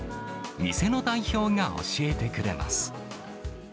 店の代表が教えてくれます。